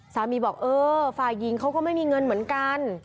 สามีบอกเออฝ่ายหญิงเขาก็ไม่มีเงินเหมือนกัน